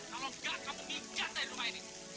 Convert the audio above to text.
kalau gak kamu minggat dari rumah ini